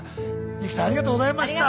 湯木さんありがとうございました。